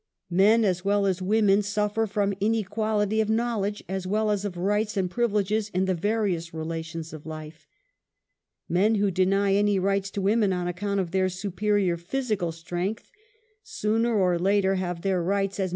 Men as Avell as women sufter from inequality of knowledge as well as of rights and privileges in the various relations of life. Men who deny any rights to women on account of their superior physical strength, sooner or later have their own rights as EQUALITY.